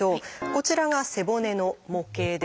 こちらが背骨の模型です。